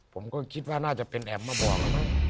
ผมก็คิดว่าน่าจะเป็นแอมมาบ่อง